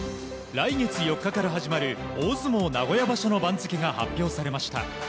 来月４日から始まる大相撲名古屋場所の番付が発表されました。